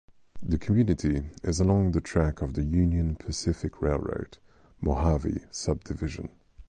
The community is along the track of the Union Pacific Railroad, Mojave Subdivision.